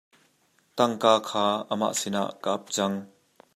Tangka kha amah sinah ka ap cang.